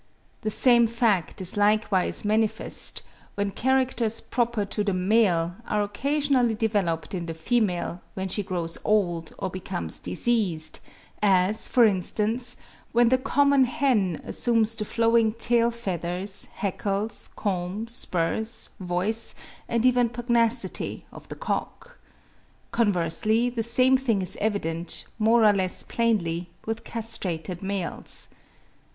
The same fact is likewise manifest, when characters proper to the male are occasionally developed in the female when she grows old or becomes diseased, as, for instance, when the common hen assumes the flowing tail feathers, hackles, comb, spurs, voice, and even pugnacity of the cock. Conversely, the same thing is evident, more or less plainly, with castrated males.